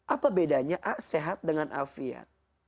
apa bedanya a sehat dengan afiat